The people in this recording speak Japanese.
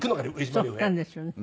そうなんですね。